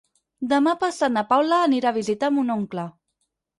Demà passat na Paula anirà a visitar mon oncle.